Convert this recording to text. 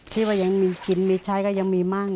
ที่ว่ายังมีกินมีใช้ก็ยังมีมั่ง